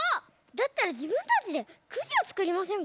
だったらじぶんたちでくじをつくりませんか？